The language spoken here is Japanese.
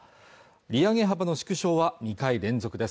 利上げ幅の縮小は２回連続です